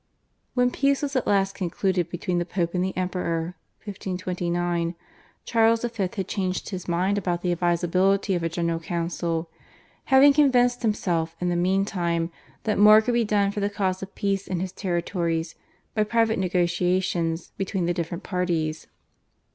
When peace was at last concluded between the Pope and the Emperor (1529) Charles V. had changed his mind about the advisability of a General Council, having convinced himself in the meantime that more could be done for the cause of peace in his territories by private negotiations between the different parties.